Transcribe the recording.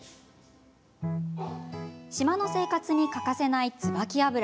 島の生活に欠かせない椿油。